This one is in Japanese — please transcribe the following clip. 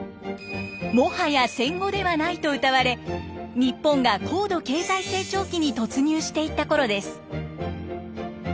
「もはや戦後ではない」とうたわれ日本が高度経済成長期に突入していったころです。